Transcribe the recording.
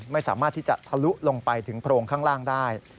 ไม่สามารถที่จะทะลุลงไปถึงโพรงข้างล่างได้